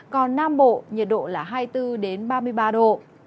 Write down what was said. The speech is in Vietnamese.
còn nam bộ nhiệt độ là hai mươi bốn ba mươi ba độ